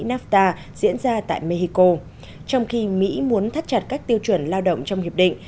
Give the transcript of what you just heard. nafta diễn ra tại mexico trong khi mỹ muốn thắt chặt các tiêu chuẩn lao động trong hiệp định